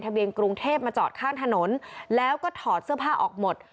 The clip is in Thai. เบียนกรุงเทพมาจอดข้างถนนแล้วก็ถอดเสื้อผ้าออกหมด